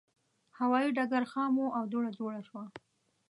هوایي ډګر خام و او دوړه جوړه شوه.